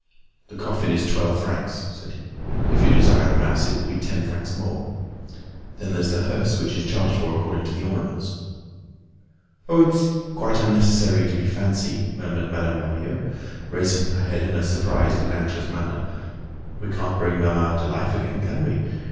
"The coffin is twelve francs," said he. "If you desire a mass, it will be ten francs more. Then there's the hearse, which is charged for according to the ornaments." "Oh! it's quite unnecessary to be fancy," murmured Madame Lorilleux, raising her head in a surprised and anxious manner. "We can't bring mamma to life again, can we?